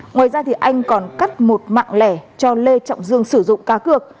ngoài ra anh còn cắt một mạng lẻ cho lê trọng dương sử dụng cá cược